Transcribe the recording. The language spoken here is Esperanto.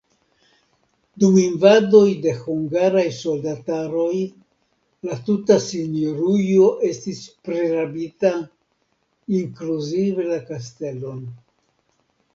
Dum invadoj de hungaraj soldataroj la tuta sinjorujo estis prirabita, inkluzive la kastelon.